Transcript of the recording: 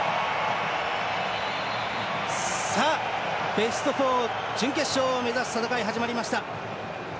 ベスト４、準決勝を目指す戦い始まりました。